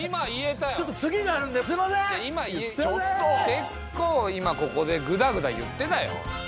結構今ここでぐたぐだ言ってたよ。